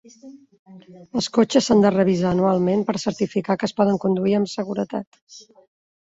Els cotxes s'han de revisar anualment per certificar que es poden conduir amb seguretat.